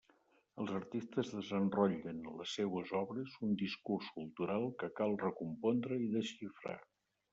Els artistes desenrotllen en les seues obres un discurs cultural que cal recompondre i desxifrar.